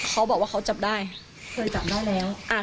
เขาบอกว่าเขาจับได้เคยจับได้แล้ว